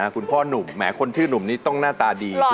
คุณพ่อหนุ่มแหมคนชื่อหนุ่มนี้ต้องหน้าตาดี